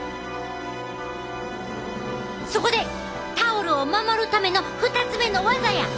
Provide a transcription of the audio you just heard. そこでタオルを守るための２つ目の技や！